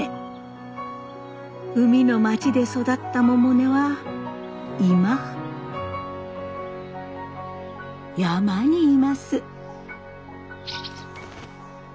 海の町で育った百音は今山にいます。